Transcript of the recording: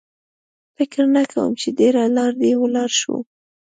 فکر نه کوم چې ډېره لار دې ولاړ شو.